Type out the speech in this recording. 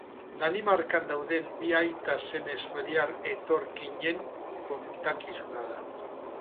Danimarkan dauden bi aita-seme suediar etorkinen kontakizuna da.